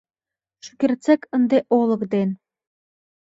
Шукертсек ынде Олык ден